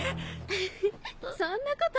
フフっそんなこと。